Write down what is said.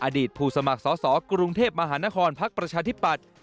อดีตผู้สมัครสอสอกรุงเทพมหานครพักประชาธิปัตย์